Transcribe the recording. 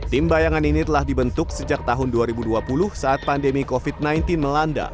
tim bayangan ini telah dibentuk sejak tahun dua ribu dua puluh saat pandemi covid sembilan belas melanda